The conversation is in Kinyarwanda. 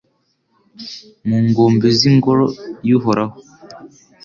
mu ngombe z’Ingoro y’Uhoraho